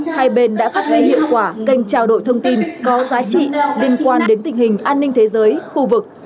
hai bên đã phát huy hiệu quả kênh trao đổi thông tin có giá trị liên quan đến tình hình an ninh thế giới khu vực